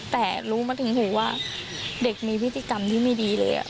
แต่รู้มาถึงหูว่าเด็กมีพฤติกรรมที่ไม่ดีเลย